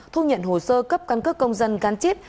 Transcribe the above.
thu nhận hồ sơ cấp quan cấp công dân gắn chíp